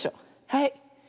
はい。